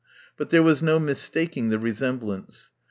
But there was no mistaking the resem blance.